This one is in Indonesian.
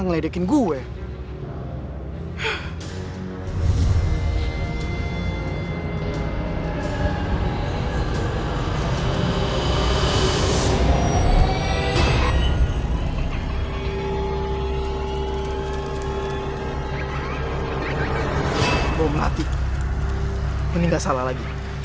mending gak salah lagi